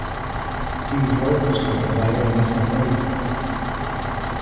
Hughes wrote the screenplay in less than a week.